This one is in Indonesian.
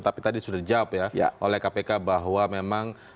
tapi tadi sudah dijawab ya oleh kpk bahwa memang